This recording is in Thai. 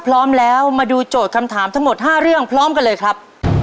พร้อมแล้วมาดูโจทย์คำถามทั้งหมด๕เรื่องพร้อมกันเลยครับ